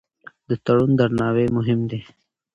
د تړون درناوی مهم دی.